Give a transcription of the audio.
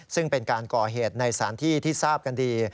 ซึ่งเป็นการก่อเหตุในสารที่ที่ทราบกันดี